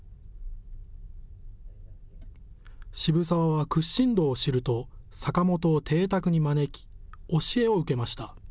渋沢は屈伸道を知ると坂本を邸宅に招き教えを受けました。